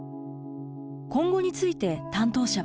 今後について担当者は。